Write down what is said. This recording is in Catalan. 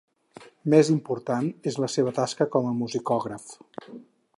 Més important és la seva tasca com a musicògraf.